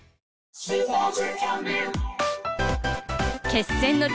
決戦の地